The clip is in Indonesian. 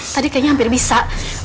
tadi kayaknya hampir bisa